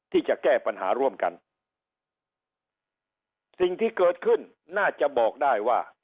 ที่จะแก้ปัญหาร่วมกันสิ่งที่เกิดขึ้นน่าจะบอกได้ว่า